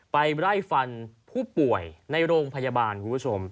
ไปไล่ฟันผู้ป่วยในโรงพยาบาลคุณผู้ชม